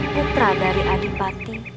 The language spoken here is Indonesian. putra dari adipati